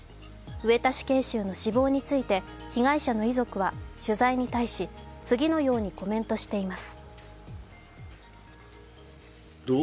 上田死刑囚の死亡について被害者の遺族は取材に対し、次のようにコメントしています。